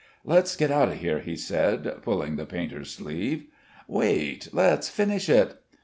"Let's get out of here," he said, pulling the painter's sleeve. "Wait. Let's finish it."